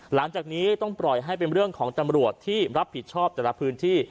หลังจากนี้ต้องปล่อยให้เป็นเรื่องของตำรวจที่รับผิดชอบแต่ละพื้นที่